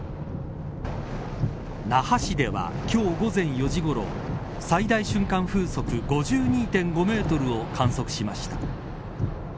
那覇市では今日午前４時ごろ最大瞬間風速５２．５メートルを観測しました。